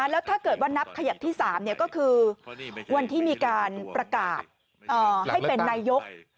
แล้วถ้าเกิดว่านับขยับที่๓ก็คือวันที่มีการประกาศให้เป็นนายก